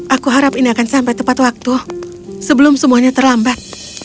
aku harap ini akan sampai tepat waktu sebelum semuanya terlambat